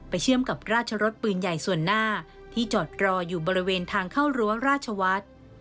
เชื่อมกับราชรสปืนใหญ่ส่วนหน้าที่จอดรออยู่บริเวณทางเข้ารั้วราชวัฒน์